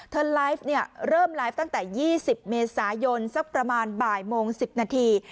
ไลฟ์เริ่มไลฟ์ตั้งแต่๒๐เมษายนสักประมาณบ่ายโมง๑๐นาที